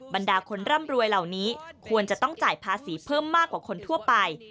บรรดาคนร่ำรวยเหล่านี้ควรจะต้องจ่ายภาษีเพิ่มมากกว่าคนทั่วไป